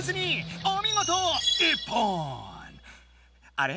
あれ？